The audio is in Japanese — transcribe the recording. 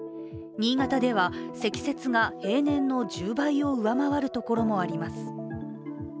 新潟では積雪が平年の１０倍を上回るところもあります。